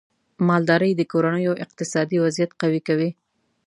مالدارۍ د کورنیو اقتصادي وضعیت قوي کوي.